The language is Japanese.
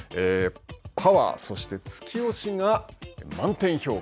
パワー、そして突き押しが満点評価。